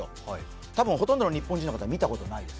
たぶんほとんどの日本人の方、見たことないです。